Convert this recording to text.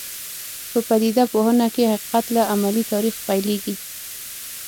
په پدیده پوهنه کې حقیقت له عملي تاریخ پیلېږي.